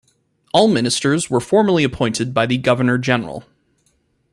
All ministers were formally appointed by the Governor-General.